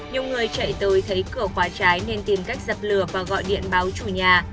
nhiều người chạy tới thấy cửa quả trái nên tìm cách dập lửa và gọi điện báo chủ nhà